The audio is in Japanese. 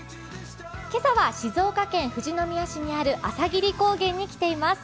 今朝は静岡県富士宮市にある朝霧高原に来ています。